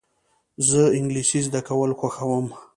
زه انګلېسي زده کول خوښوم.